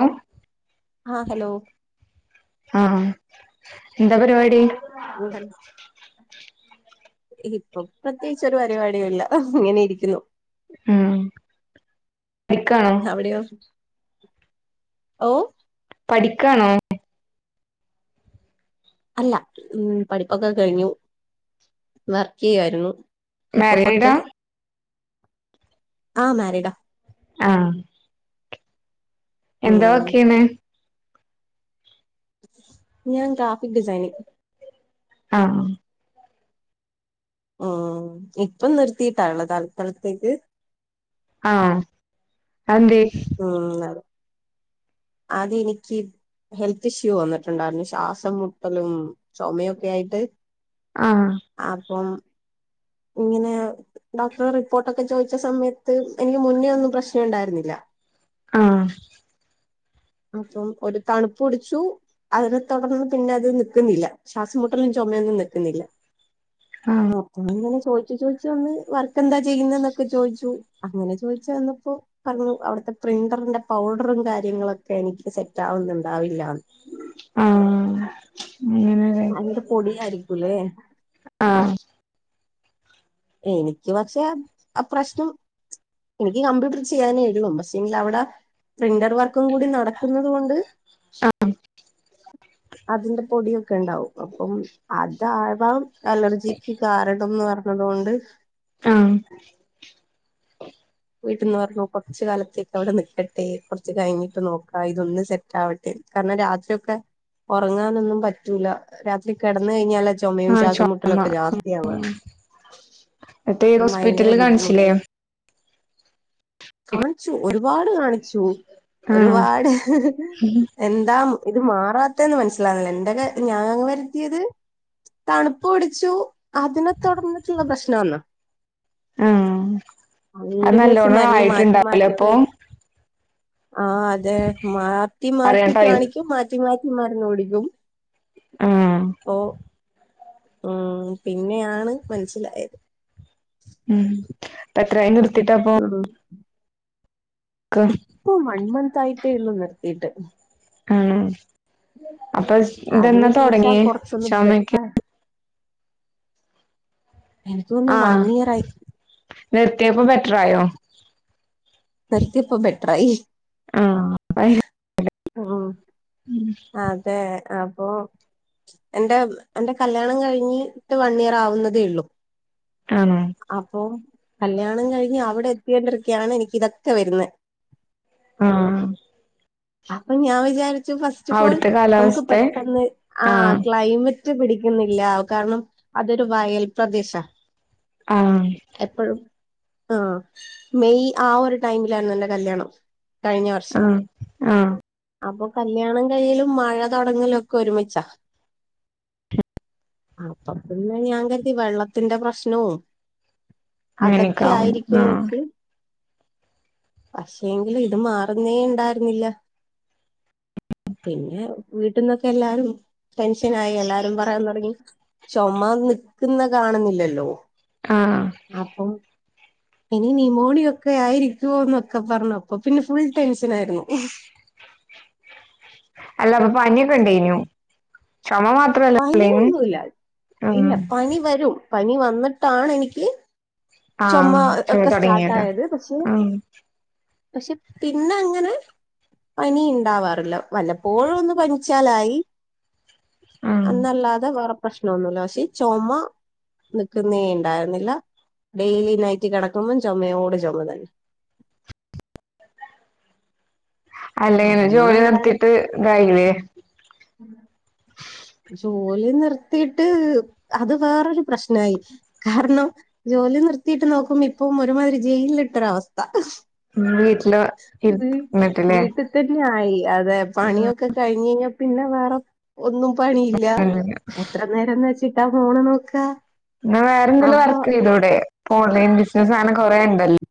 Hello ആഹ് hello ആഹ് എന്താ പരിപാടി ഇ [unintelligible] ഇപ്പൊ പ്രത്യേകിച്ചൊരു പരിപാടില്ല ഇങ്ങനെ ഇരിക്കുന്നു ഉം പഠിക്കാണോ അവിടെയോ ഓ പഠിക്കാണൊ അല്ല ഉ പഠിപ്പൊക്കെ കഴിഞ്ഞു വർക്കെയ്യായിരുന്നു ഇപ്പൊ കൊറച്ച് മാരീഡാ ആ മാരിഡാ ആഹ് എന്താ ഉം വർക്കെയ് ണെ ഞാൻ ഗ്രാഫിക് ഡിസൈനി ആഹ് ഉം ഇപ്പം നിർത്തിട്ടാള്ളെ തല് ക്കാ ലത്തേക്ക് ആഹ് അതെന്തേയ്‌ ഉം അതെ ആദ്യ എനിക്ക് ഹെൽത്ത് ഇഷ്യൂ വന്നിട്ടുണ്ടായിരുന്നു ശ്വാസം മുട്ടലും ച്ചൊമയൊക്കെ ആയിട്ട് ആഹ് അപ്പം ഇങ്ങനെ ഡോക്ടറ് റിപ്പോർട്ടൊക്കെ ചോദിച്ച സമയത്ത് എനിക്ക് മുന്നേ ഒന്നും പ്രശ്നംണ്ടായിരുന്നില്ല ആഹ് അപ്പം ഒരു തണുപ്പുടിച്ചു അതിനെത്തൊടർന്ന് പിന്നെ അത് നിൽക്കുന്നില്ല ശ്വാസംമുട്ടലും ചുമൊന്നും നിക്കുന്നില്ല ആഹ് മപ്പം ഇങ്ങനെ ചോയിച്ച് ചോദിച്ച് വന്ന് വർക്ക് എന്താ ചെയ്യുന്ന ന്നൊക്കെ ചോദിച്ചു അങ്ങനെ ചോദിച്ച് വന്നപ്പൊ പറഞ്ഞു അവിടുത്തെ പ്രിന്ററിന്റെ പൗഡറും കാര്യങ്ങളൊക്കെ എനിക്ക് സെറ്റ് ആവുന്നുണ്ടാവില്ലാന്ന് ആഹ് അങ്ങനെ അതിന്റെ പൊടിയായിരിക്കൂല്ലേ ആഹ് എനിക്ക് പക്ഷെ ആ പ്രശ്നം എനിക്ക് കമ്പ്യൂട്ടർ ചെയ്യാനേ ള്ളൂ പക്ഷെങ്കിൽ അവിടെ പ്രിന്റർ വർക്കും കൂടി നടക്കുന്നത് കൊണ്ട് ആഹ് [unintelligible] അതിന്റെ പൊടിയൊക്കെണ്ടാവും അപ്പം അതാവാം അലർജിക്ക് കാരണംന്ന് പറഞ്ഞത്കൊണ്ട് ആഹ് [inaudible] വീട്ടന്ന് പറഞ്ഞു കുറച്ച കാലത്തേക്ക് അവിടെ നിക്കട്ടെ കുറച്ച് കഴിഞ്ഞിട്ട് നോക്കാ ഇതൊന്ന് സെ റ്റാവട്ടെ കാരണം രാത്രിക്കെ ഉറങ്ങാനൊന്നും പറ്റൂല രാത്രി കിടന്ന കഴിഞ്ഞാൽ ചോമ്മയും ആഹ് ശ്യാസം മുട്ട ചൊമ ലൊക്കെ രാത്രി ആവ ങ്ങട്ട് ഭയങ്കര ഹോസ്പിറ്റലില് കാണിച്ചില്ലേ ബുദ്ധിമുട്ട് കാണിച്ചു ഒരുപാട് കാണിച്ചു ആഹ് ഒരുപാട് എന്താ ഇത് മാറാത്തന്ന് മനസ്സിലാണല്ലോ എന്റെക്കെ ഞാൻങ്ങ് വരുത്തിയത് തണുപ്പ് പിടിച്ചു അതിനെ തുടർന്നിട്ടുള്ള പ്രശ്നന്ന് ആഹ് അത് കണ്ടന്യൂസ് നല്ലോണം മരുന്ന് മാറ്റി ആയിട്ടുണ്ടാവുലേ മാറ്റി അപ്പൊ കഴിക്കും ആഹ് അതെ മാറ്റി അറിയാൻ മാറ്റി ടൈം കാണിക്കും മാ മാറ്റി മാറ്റി മാരുന്ന് കുടിക്കും ആഹ് ഓഹ് ഉം പിന്നെയാണ് മനസ്സിലായത്. ഉം ഇപ്പം എത്രായി നിർത്തിട്ട പ്പൊ. ഉം ഇപ്പൊ വൺ മന്ത് ആയിട്ടേ ഉള്ളൂ നിർത്തിയിട്ട്. ആണോ അപ്പൊ അതിന് ഇതെന്നാ ശേഷം തുടങ്ങിയ കൊറച്ചൊന്ന് ചോമക്കെ ബെറ്ററാ എനിക്ക് തോന്നുന്നു വൺ ആഹ് ഇയർ ആയി നിർത്തിയപ്പോ ബെറ്ററായോ? നിർത്തിയപ്പൊ ബെറ്ററായി. അയിന് ഉം [inaudible] ഉം അതെ അപ്പൊ എന്റെ എന്റെ കല്യാണം കഴിഞ്ഞിട്ട് വൺ ഇയർ ആവുന്നതേ ഉള്ളൂ ആണോ അപ്പോ കല്യാണം കഴിഞ്ഞ് അവിടെ എത്തിണ്ടിരിക്കയാണ് എനിക്ക് ഇതൊക്കെ വരുന്നെ ആഹ് ആഹ് അപ്പൊ ഞാൻ വിചാരിച്ചു ഫസ്റ്റ് ഫോൾ അവിടുത്തെ നമുക്ക് കാലാവസ്ഥ പെട്ടെന്ന് ആഹ് ക്ലൈമറ്റ് റ്റ് പിടിക്കുന്നില്ല കാരണം അതൊരു വയൽ പ്രദേശ ആഹ് എപ്പഴും ആഹ് മെയ് ആ ഒരു ടൈമിലാണ് എന്റെ കല്യാണം കഴിഞ്ഞ വർഷം ആഹ് ആഹ് അപ്പൊ കല്ല്യാണം കഴിയലും മഴ തുടങ്ങലൊക്കെ ഒരുമിച്ചാ അപ്പ പിന്നെ ഞാൻ കരുതി വെള്ളത്തിന്റെ പ്രശ്നവും അങ്ങനെയൊക്കെ അതൊക്കെ ആവും ആയിരിക്കുംന്ന് ആഹ് പക്ഷേങ്കിലും ഇത് മാറുന്നേ ഉണ്ടായിരുന്നില്ല. പിന്നെ വീട്ടിന്നൊക്കെ എല്ലാരും ടെൻഷനായി എല്ലാരും പറയാൻ തുടങ്ങി ചൊമ നിക്കുന്ന കാണുന്നില്ലല്ലോ ആഹ് അപ്പം ഇനി ന്യുമോണിയൊക്കെ ആയിരിക്കുവോ എന്നൊക്കെ പറഞ്ഞു അപ്പ പിന്നെ ഫുൾ ടെൻഷനായിരുന്നു. അല്ല അപ്പൊ പനിക്കെ ഉണ്ടനു ചൊമ മാ പനിയൊന്നുല്ല ഇല്ല പനി വരും പനി വന്നിട്ടാണ് എനിക്ക് ചൊമ ആഹ് ചുമ ഒക്കെ തുടങ്ങിയതാ സ്റ്റാർട്ടായത് പക്ഷെ ആഹ് പക്ഷെ പിന്നെ അങ്ങനെ പനി ഇണ്ടാവാറില്ല വല്ലപ്പോഴോന്ന് പനിച്ചാലായി ആഹ് ല്ലാതെ വേറെ പ്രശ്നമൊന്നുല്ല പക്ഷേ ചുമ നിക്കുന്നേ ഉണ്ടായിരുന്നില്ല. ഡെയിലി നൈറ്റ് കിടക്കുമ്പോം ചൊമയോടെ ചൊമ തന്നെ [unintelligible] ജോലി നിത്തിട്ട് ഇതായില്ലേ ഉം ജോലി നിർത്തിട്ട് അത് വേറൊരു പ്രശ്നായി കാരണം ജോലി നിർത്തിയിട്ട് നോക്കുമ്പോ ഇപ്പം ഒരുമാതിരി ജയിൽട്ടൊരവസ്ഥ വീട്ടില് ഇരുന്നിട്ടില്ലേ തന്നെആയി അതെ പണിയൊക്കെ കഴിഞ്ഞയ്ഞ്ഞാ പിന്നെ വേറെ ഒന്നും പണിയില്ല എത്ര നേരംന്ന് വെച്ചിട്ടാ ഫോണ് നോക്കാ ന്നാ വേറെന്തേലും അപ്പൊ വർക്ക് ചെയ്തൂടെ പ്പ ഓൺലൈൻ ബിസിനസ്സ് അങ്ങനെ കൊറെ ണ്ടല്ലോ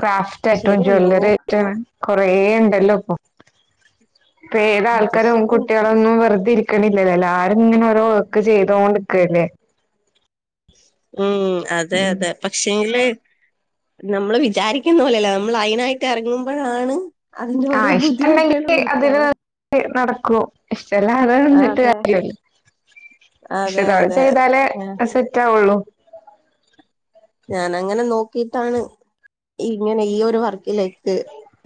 ക്രാഫ്റ്റ് ആയിട്ടും ശരിയാ ജ്വല്ലറി നോക്ക് ആയിട്ടും കൊറേ ണ്ടല്ലോ ഇപ്പൊ ഇപ്പ അത് ഏതാൾക്കാരും ശരിയാ കുട്ടി ളൊന്നുംവെറുതെ ഇരിക്ക്ണില്ലല്ലോ എല്ലാരും ഇങ്ങനെ ഓരോ വർക്ക് ചെയ്തോണ്ട്ക്കല്ലേ ഉം അതെ ഉം അതെ പക്ഷേല് നമ്മെള് വിചാരിക്കുന്ന പോലല്ല. നമ്മളെ അയിനായ്ട്ട് എറങ്ങുമ്പോഴാണ്. അതിന്റോരോ ആഹ് ഇഷ്ടണ്ടെങ്കി ബുദ്ധിമുട്ടുകള് മനസിലാവ [unintelligible] നടക്കും ഇഷ്ടല്ലാതെ വന്നിട്ട് അതെ കാര്യല്ല. പക്ഷേ അതെ ഇതാള് അതെ ചെയ്താലേ അഹ് സെറ്റ് ആവൊള്ളൂ. ഞാനങ്ങനെ നോക്കിട്ടാണ് ഇങ്ങനെ ഈ ഒരു വർക്കിലേ ക്ക്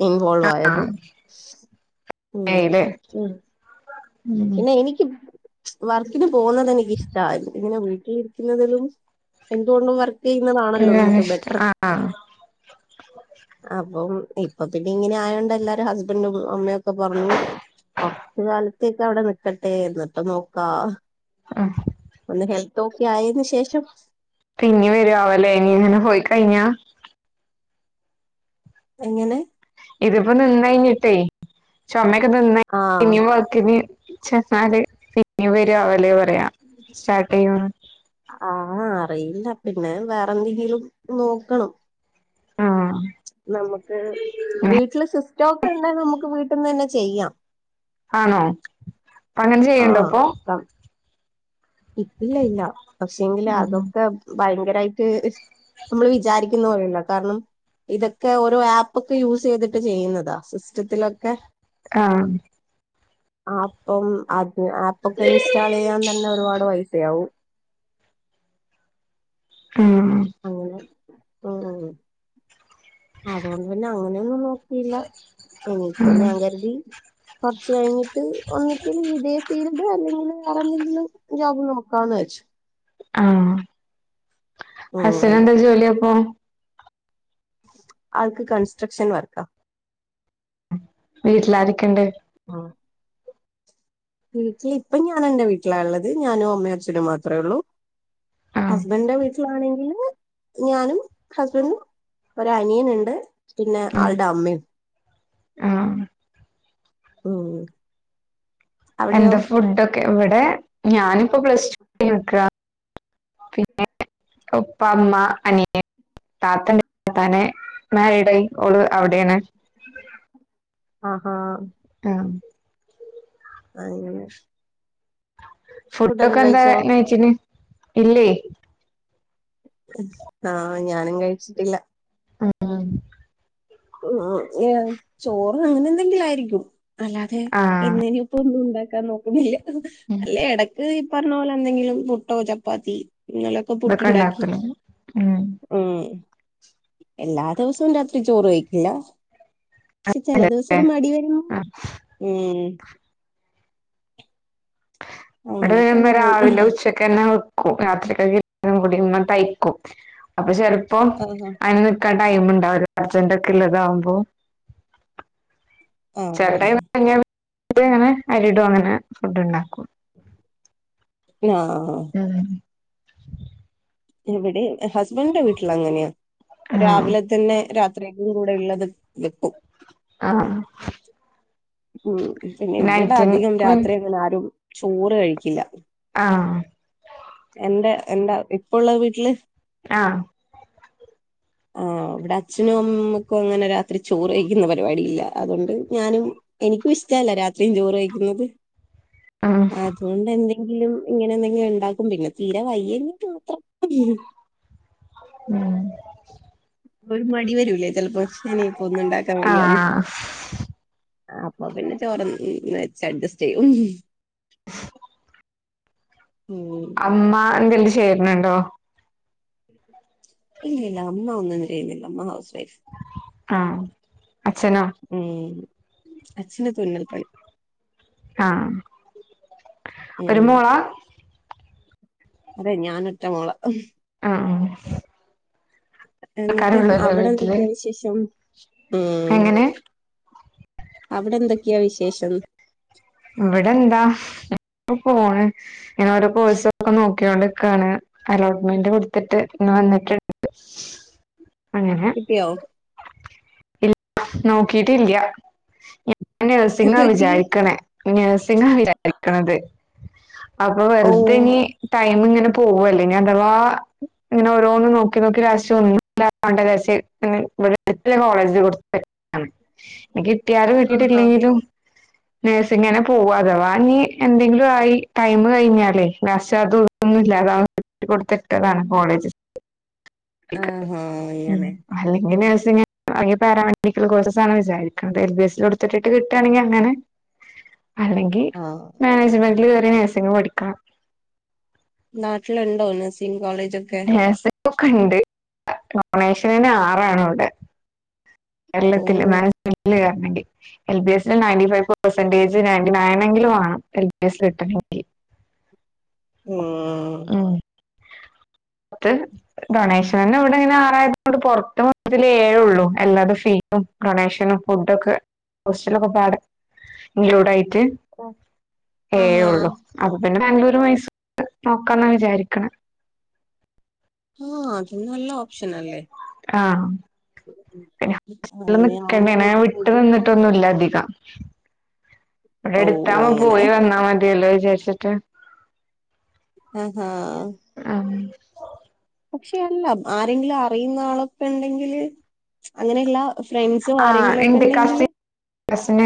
ഇൻവോൾവായത് ആഹ് മ് മെയില് മ് ഉം പിന്ന എനിക്ക് വർക്കിന് പോകുന്നത് എനിക്കിഷ്ടാരുന്നു. ഇങ്ങനെ വീട്ടിലിരിക്കുന്നതിലും. എന്തുകൊണ്ടും വർ ക്കന്നെയാണിഷ്ടം ആഹ് ആഹ് അപ്പം ഇപ്പൊ പിന്നെ ഇങ്ങനെയായോണ്ട് എല്ലാരും ഹസ്ബൻഡും അമ്മയൊക്കെ പറഞ്ഞു. കൊറച്ച് കാലത്തേക്ക് അവടെ നിക്കട്ടെ എന്നിട്ട് നോക്കാ ആഹ് ഒന്ന് ഹെൽ ത്ത് ഒക്കെ ആയേന് ശേഷം. പിന്നിം വരാവലേ ഇനി ഇങ്ങനെ പോയി കഴിഞ്ഞാ. എങ്ങനെ ഇതിപ്പ നിന്ന് കഴിഞ്ഞിട്ടേ ചൊമെക്കെ നിന്നേ ആഹ് ഇനി വർ ക്ക്ന് ചെന്നാല് പിന്നിം വരാവലേ പറയാ സ്റ്റാട്ട് ചെയ്യാണേ ആഹ് അറിയില്ല പിന്നെ വേറെന്തെങ്കിലും നോക്കണം. ആഹ് നമ്മക്ക് വീട്ടില് സിസ്റ്റം ഒക്കെ ഉണ്ടാന്നെ നമ്മക്ക് വീട്ടിന്ന് തന്നെ ചെയ്യാം. ആണോ അങ്ങനെ ചെയ്യണ്ടോ പ്പൊ ഇപ്പ ഇല്ല ല്ല പക്ഷെങ്കില് അതൊക്കെ ഭയങ്കരായിട്ട്. നമ്മെള് വിചാരിക്കുന്ന പോലെയല്ല കാരണം. ഇതൊക്കെ ഓരോ ആപ്പെക്കെ യൂസ് ചെയ്തിട്ട് ചെയ്യുന്നതാ സിസ്റ്റത്തിലെക്കെ. ആഹ് ആപ്പം അതെ ആപ്പെക്കെ ഇൻസ്റ്റാൾ ചെയ്യാൻ തന്നെ ഒരുപാട് പൈസയാവും ആഹ് അങ്ങനെ മ് മ് അതുകൊണ്ട് പിന്നെ അങ്ങനെയൊന്നും നോക്കിയില്ല. ഇനിയിപ്പോ ഉം ഞാൻ കരുതി. കൊറെച്ച് കഴിഞ്ഞിട്ട് ഒന്നിപ്പ ഇതേ ഫീൽഡ് അല്ലെങ്കില് വേറെന്തെങ്കിലും ജോബ് നോക്കാന്ന് വെച്ചു. ആഹ് ഹസ് ഉം നെന്താ ജോലിയപ്പോ ആൾക്ക് കൺസ്ട്രക്ഷൻ വർക്കാ. വീട്ടിലാരൊക്കെണ്ട് ആഹ് ഇനിക്കി ഇപ്പം ഞാൻ എന്റെ വീട്ടിലാ ള്ളത് ഞാനും അമ്മേം അച്ഛനും മാത്രേയുള്ളൂ. ആഹ് ഹസ്ബൻന്റെ വീട്ടിലാണെങ്കില് ഞാനും ഹസ്ബൻഡും. ഒര അനിയന്ണ്ട് പിന്നെ ആഹ് ആൾടെ അമ്മ ആഹ് ഉം അവിടെയോ എന്താ ഫുഡെക്കെ ഇവടെ ഞാനിപ്പോ പ്ലസ് ടു കഴിഞ്ഞ് നിക്കാ പിന്നെ ഉപ്പ ഉമ്മ അനിയൻ താത്ത ണ്ട് താത്താനെ മേരീ ഡയിൻ ഓള് അവിടെണ്. ആഹ് ഹാ ട്ടാം അങ്ങനെ ഫുഡൊക്കെ ഫുഡെക്കെ എന്താ കഴിച്ചോ ഇന്ന് യിച്ചിന് ഇല്ലേ ആഹ് ഞാനും കഴിച്ചിട്ടില്ല. ഉം ഉം ഓ ഓ ഓ ചോറ് അങ്ങനെന്തെങ്കിലും ആയിരിക്കും അല്ലാതെ ആഹ് ഇന്നിനി. ഇപ്പൊന്നും ഉണ്ടാക്കാൻ നോക്കുന്നില്ല. അല്ലേ എടക്ക് ഈ പറഞ്ഞ പോലെ എന്തെങ്കിലും പുട്ടോ, ചപ്പാത്തി ഇങ്ങെല്ല്. ഇപ്പം ഇതൊക്കെ പുട്ടുണ്ടാക്കി ഉണ്ടാക്കല് ഉം ഉം എല്ലാ ദിവസവും രാത്രി ചോറ് കഴിക്കില്ല. ക്ഷെ ചെലെദിവസം ഏഹ് ഒരുമടിവെരും. ആഹ് ഉം ന്നട്ട് അങ്ങനെയൊക്കെ വരുമ്പോ അങ്ങ് പോകും രാവിലെ ഉച്ചക്ക് ക്കെന്നെ വെക്കും രാത്രികൂടി തയ്ക്കും അപ്പൊ ചെർ അപ്പൊ ആഹ് അയിന് നിക്കാൻ ടൈം ഇണ്ടാവില്ല അർജന്റ് ഇള്ളതാവുമ്പോ ആഹ് ച്ചെലടൈമില് അങ്ങനെ ന്നെ [inaudible] അരിടും അങ്ങനെ ഫുഡ് ണ്ടാക്കും ആ ആഹ് ഉം എവിടിം ഹസ്ബെന്റെ വീട്ടിൽ അങ്ങനെയാ ആഹ് രാവിലെതെന്നെ രാ ത്രേക്കും കൂടെഇള്ളത് വെക്കും. ആഹ് ഉം പിന്നെ ഇവിടെ നൈറ്റിൻ അധികം രാത്രി അങ്ങനെ ആരും ചോറ് കഴിക്കില്ല. ആഹ് എന്റെ എന്താ ഇപ്പള്ളവീട്ടില് ആഹ് [inaudible] ആഹ് ഇവ്ടെ അച്ഛനു അമ്മക്കു അങ്ങനെരാത്രി ചോറ്കഴിക്കുന്ന പരിപാടിഇല്ല അതോണ്ട് ഞാനും എനിക്കുംഇഷ്ട്ടല്ല രാത്രിയും ചോറ് കഴിക്കുന്നത് ഉം അദ് അതോണ്ട് എന്തെങ്കിലും ഇങ്ങനെ എന്തെങ്കിലും ഉണ്ടാക്കും പിന്നെ തീരെ വയ്യെങ്കി മാത്രം ഉം ഒര് മടി വെരൂലേ ചെൽപ്പോ ഇനിപ്പൊന്നും ഇണ്ടാക്കാൻ വയ്യാന്ന്. ആഹ് അപ്പൊപിന്നെ ചോറെന്നെ വെച്ച് അഡ്ജസ്റ്റ്ചെയ്യും. [inaudible] ഉം അമ്മ എന്തെങ്കിലും ചേര്ണ്ണ്ണ്ടോ [inaudible] ഇല്ല്യാല്ല അമ്മ ഒന്നുംചയ്യുന്നില്ല അമ്മ ഹൗസ് വൈഫ്. ആഹ് അച്ഛനോ? ഉം അച്ഛന്റെ തുന്നെൽപണി ആഹ് ഉം ഒരുമോള? അതെ ഞാനൊറ്റ മോള ആഹ് എന്നിട്ട് വീട്ടില് അവിടെന്തൊക്കിയ വിശേഷം? ഉം എങ്ങനെ അവിടെ എന്തൊക്കെയാ വിശേഷം? ഇവടെന്താഅങ്ങനെ പോണ് ഇങ്ങനെഓരോ കോഴ്സ്‌ ഒക്കെ നോക്കിക്കോണ്ട്രിക്കണ് അലോട്ട്മെന്റ് കൊടുത്തിട്ട് ഇന്ന് വന്നിട്ട് [inaudible] അങ്ങനെ കിട്ടിയോ നോക്കിട്ടില്ല. ഞാന് നഴ്സിങ്ങ എന്ത് പറ്റി വിചാരിക്ണേ നെയ്സിങ്ങ വിചാരിക്ക്‌ണത്. അപ്പൊ ഓ വെറുതെ ഇനി ടൈമ്ഇങ്ങനെ പോവല്ലേ ഇനി അഥവാ ഇങ്ങനെ ഓരോന്നും നോക്കി നോക്കി ലാസ്റ്റ് ഒന്നും ഇണ്ടതാവണ്ട വിചാരിച്ച് പിന്നെ ഇവടെട്ത്ത്ല്ലെ കോളേജ് ല് കൊട്ത്ത്. ഇനികിട്ടിയാലും ആഹാ കിട്ടിട്ടില്ലെങ്കിലും നേഴ് സിങ്നെന്നെ പോവാഅതവാ ഇനി എന്തെങ്കിലുംആയി ടൈമ് കഴിഞ്ഞാലേ ലാസ്റ്റതു ഒന്നുല്ലാതെആവും ജസ്റ്റ്കൊടുത്ത് ഇട്ടതാ കോളേജ്ക് ആഹാ അങ്ങനെ അല്ലെങ്കിൽ നഴ്സിങ്ങ് അല്ലെങ്കി പാരാമെഡിക്കൽ കോഴ്സെസാണ് വിചാരിക്കണുന്നത് എൽ ബി എസ്ൽ കൊടുത്തിട്ട് കിട്ടുകട്ടാണെങ്കിൽ അങ്ങനെ അല്ലെങ്കി ആഹ് മാനേജ്മെന്റില് കേറി നേഴ്സിങ് പഠിക്കണം. നാട്ടില്ണ്ടോ നസീം കോളേജൊക്കെ? നേസിങ്ങ് ഒക്കെണ്ട് ഡൊണേഷനെന്നെ ആറാണ് അവുടെ. ഓ കേരളത്തിൽ മേനെജ്മെന്റില് കേറെണെങ്കി. എൽ ബി എസിൽ നയന്റി ഫൈവ് പെർസെന്റേജ് നയന്റി നയനെങ്കിലും വേണം ആ എൽ ബി കിട്ടണെങ്കി. ഉം ട്ട് ഡൊണേഷൻ ന്നെ ഇവിടെ ഇങ്ങനെ ആറായിരണ്ട് പുറത്ത് ഏഴേ ഉള്ളൂ അല്ലാതെ ഫീ ഉം ഡൊണേഷനും ഫുഡോക്കെ ഹോസ്റ്റലൊക്കെ പാടെ ഇൻക്ലൂഡ് ആയിട്ട്. ആഹാ ഏഴൊള്ളു അപ്പ പിന്നെ ബാംഗ്ലൂര് മൈസൂർ നോക്കാന്ന വിചാരിക്കണെ. ആഹ് അതന്ന നല്ല ഓപ്ഷനല്ലേ. ആഹ് പിന്നെ അങ്ങനെയാവുമ്പോ നിക്കണ്ടേ ഞാൻ വലിയ വിട്ടു ബുദ്ധിമുട്ട് നിന്നിട്ടൊന്നുല്ല അധികം. ഇവിടെ ഓ എടുത്താ വ് മ്പോ അങ്ങനെ പോയി വന്നാ മതിയല്ലോ വിചാരിച്ചിട്ട്. ആഹാ ആഹ് പക്ഷെ എല്ലാം ആരെങ്കിലും അറിയുന്ന ആളൊക്കെണ്ടെങ്കില് അങ്ങനെയല്ല. ഫ്രണ്ട്സോ ആരെങ്കിലു ക്കെ ണ്ടെങ്കില് പ്രശ്ന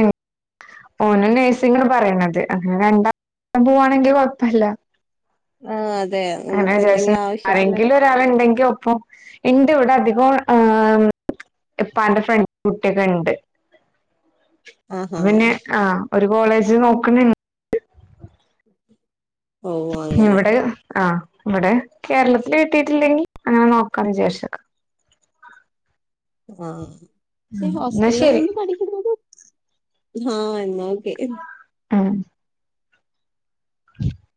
ഓനും നഴ്സിങ്ങണ് പറീ ണത് അങ്ങനെ രണ്ടാളും പോവാണെങ്കി കൊഴപ്പല്ല. ആ അതെ നമുക്ക് ന്തെങ്കി ആവശ്യത്തിന് ആള് ണ്ടെങ്കി ഒപ്പം ണ്ട് ഇവിടെ അധികോ ആ ഇപ്പാണ്ടെ ഫ്രണ്ട് കുട്ടിയൊക്കെണ്ട്. ആഹാ പ്പം പിന്നെ ആ ഒരു കോളേജ് നോക്കണ്. ഓ അങ്ങനെ ഇവിടെ ആഹ് ഇവിടെ കേരളത്തില് കിട്ടിട്ടില്ലെങ്കി അങ്ങനെ നോക്കാം ന്ന് വിചാരിച്. ആഹ് ഈ ഉം, എന്നാ ഹോസ്റ്റലിൽ ശരി നിന്ന് പഠിക്ക്ന്നത് ആഹ് എന്നാ ഓക്കെ. ആഹ് [unintelligible]